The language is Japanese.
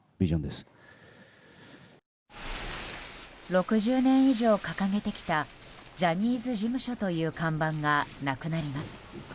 ６０年以上掲げてきたジャニーズ事務所という看板がなくなります。